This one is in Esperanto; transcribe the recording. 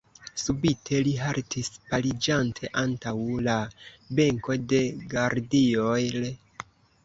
Subite li haltis paliĝante antaŭ la benko de Gardiol.